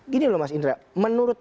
gini loh mas indra menurut